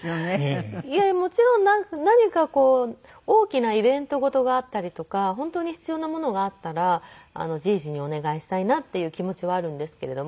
もちろん何かこう大きなイベント事があったりとか本当に必要なものがあったらじぃじにお願いしたいなっていう気持ちはあるんですけれども。